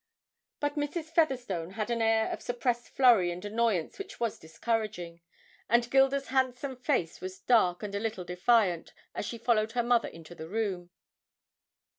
But Mrs. Featherstone had an air of suppressed flurry and annoyance which was discouraging, and Gilda's handsome face was dark and a little defiant, as she followed her mother into the room.